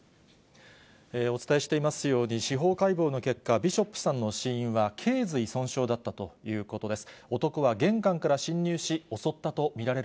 お伝えしていますように、司法解剖の結果、ビショップさんの死因は、けい髄損傷だったとい中継でした。